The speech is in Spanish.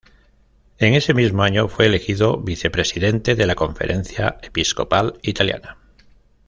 En ese mismo año fue elegido Vicepresidente de la Conferencia Episcopal Italiana.